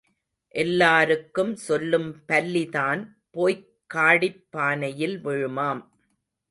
எல்லாருக்கும் சொல்லும் பல்லி தான் போய்க் காடிப் பானையில் விழுமாம்.